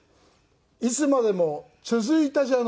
「いつまでも続いたじゃない！